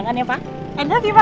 enak sih pak enak sih pak